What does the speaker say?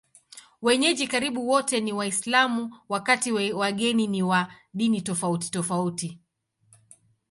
Wenyeji karibu wote ni Waislamu, wakati wageni ni wa dini tofautitofauti.